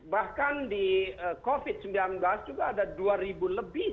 bahkan di covid sembilan belas juga ada dua ribu lebih